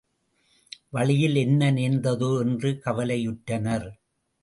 வழியில் என்ன நேர்ந்ததோ என்று கவலையுற்றனர்.